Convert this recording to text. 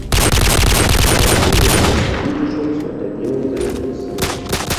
Auch dieses Schloss diente schon zur Unterbringung seiner Kunstsammlung.